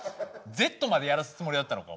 Ｚまでやらすつもりだったのかお前。